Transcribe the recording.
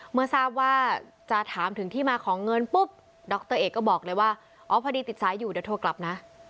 เมื่อทราบว่าจะถามถึงที่มาของเงินปุ๊บดรเอกก็บอกเลยว่าอ๋อพอดีติดสายอยู่เดี๋ยวโทรกลับนะ